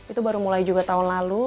itu baru mulai juga tahun lalu